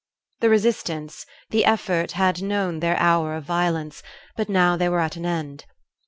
The resistance, the effort, had known their hour of violence; but now they were at an end.